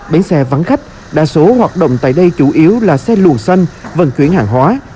bến xe vắng khách đa số hoạt động tại đây chủ yếu là xe lùa xanh vận chuyển hàng hóa